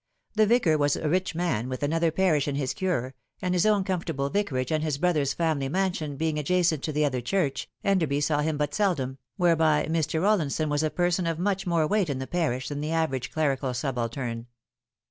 The Vicar was a rich man with another parish in his cure, and his own comfortable vicarage and his brother's family mansion being adjacent to the other church, Enderby saw him but seldom, whereby Mr. Rollinson was a person of much more weight in the parish than the average clerical subaltern.